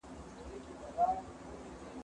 سبزېجات جمع کړه.